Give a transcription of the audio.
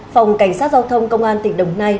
phòng cảnh sát giao thông công an tỉnh đồng nai